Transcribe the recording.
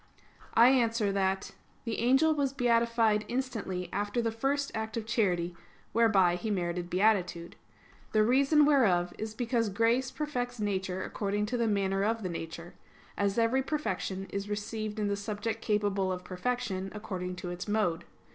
I answer that, The angel was beatified instantly after the first act of charity, whereby he merited beatitude. The reason whereof is because grace perfects nature according to the manner of the nature; as every perfection is received in the subject capable of perfection, according to its mode.